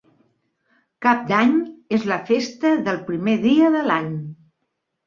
Cap d'Any és la festa del primer dia de l'any.